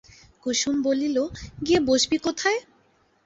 কুসুম বলিল, গিয়ে বসবি কোথায়?